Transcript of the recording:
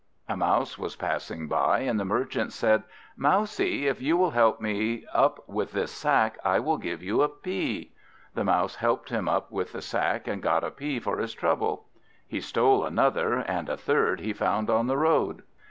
A Mouse was passing by, and the Merchant said, "Mousie, if you will help me up with this sack I will give you a pea." The Mouse helped him up with the sack and got a pea for his trouble. He stole another, and a third he found on the road.